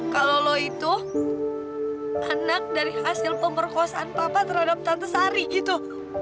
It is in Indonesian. kalau lo itu anak dari hasil pemerkosaan papa terhadap tante sari gitu